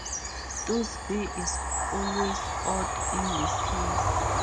Thus, "v" is always odd in this case.